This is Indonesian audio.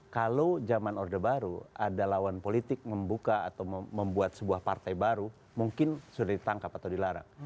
kalau zaman orde baru ada lawan politik membuka atau membuat sebuah partai baru mungkin sudah ditangkap atau dilarang